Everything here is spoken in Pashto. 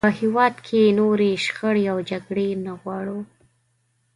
په هېواد کې نورې شخړې او جګړې نه غواړو.